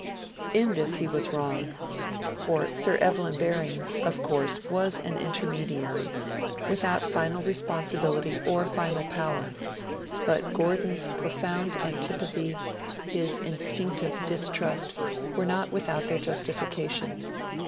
In this he was wrong; for Sir Evelyn Baring, of course, was an intermediary, without final responsibility or final power; but Gordon's profound antipathy, his instinctive distrust, were not without their justification.